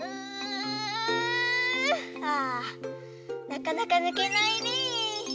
なかなかぬけないね。